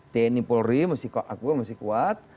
tni polri aku masih kuat